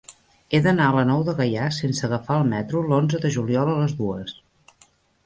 He d'anar a la Nou de Gaià sense agafar el metro l'onze de juliol a les dues.